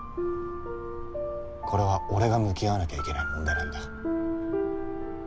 これは俺が向き合わなきゃいけない問題なんだ。